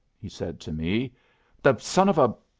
he said to me. 'The son of a